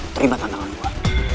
terima tantangan gue